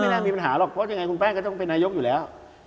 น่ามีปัญหาหรอกเพราะยังไงคุณแป้งก็ต้องเป็นนายกอยู่แล้ว